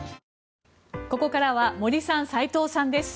ここからは森さん、斎藤さんです。